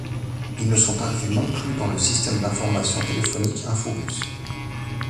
Ils ne sont inclus non plus dans le système d'information téléphonique InfoBus.